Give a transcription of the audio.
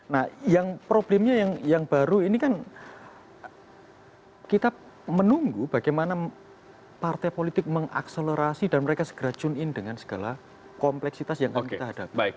nah problemnya yang baru ini kan kita menunggu bagaimana partai politik mengakselerasi dan mereka segera tune in dengan segala kompleksitas yang akan kita hadapi